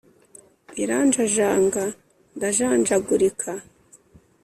Iranjajanga ndajanjagurika,